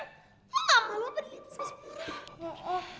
kamu nggak malu apa di lintas lintas